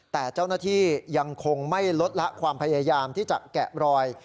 แต่เจ้าหน้าที่ยังคงไม่ลดละความพยายามที่จะแกะรอย